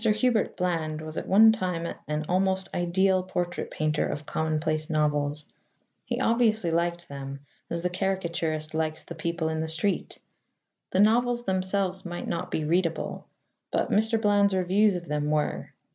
Hubert Bland was at one time an almost ideal portrait painter of commonplace novels. He obviously liked them, as the caricaturist likes the people in the street. The novels themselves might not be readable, but Mr. Bland's reviews of them were.